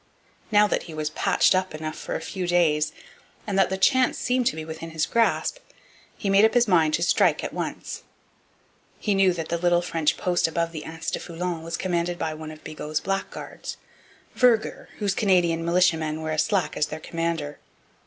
Now that he was 'patched up' enough for a few days, and that the chance seemed to be within his grasp, he made up his mind to strike at once. He knew that the little French post above the Anse au Foulon was commanded by one of Bigot's blackguards; Vergor, whose Canadian militiamen were as slack as their commander.